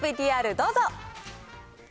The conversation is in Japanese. ＶＴＲどうぞ。